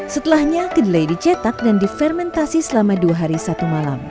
setelahnya kedelai dicetak dan difermentasi selama dua hari satu malam